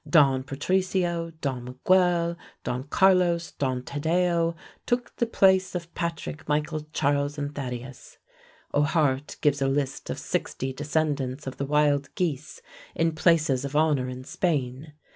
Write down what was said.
Don Patricio, Don Miguel, Don Carlos, Don Tadeo took the place of Patrick, Michael, Charles, and Thadeus. O'Hart gives a list of sixty descendants of the "Wild Geese" in places of honor in Spain.